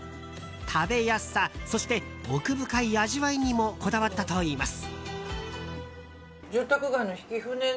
食べやすさそして奥深い味わいにもこだわったといいます。